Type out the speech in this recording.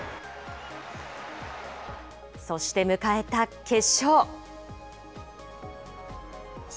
そして迎えた決勝。